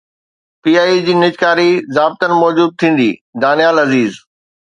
P I A جي نجڪاري ضابطن موجب ٿيندي: دانيال عزيز